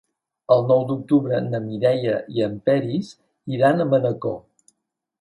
El nou d'octubre na Mireia i en Peris iran a Manacor.